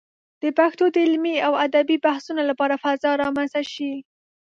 د پښتو د علمي او ادبي بحثونو لپاره فضا رامنځته شي.